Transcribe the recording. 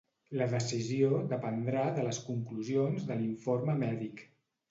La decisió dependrà de les conclusions de l’informe mèdic.